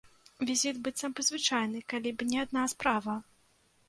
Візіт быццам бы звычайны, калі б не адна справа.